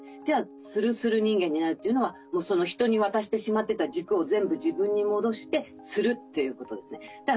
じゃあ「するする人間になる」というのはもう人に渡してしまってた軸を全部自分に戻して「する」ということですね。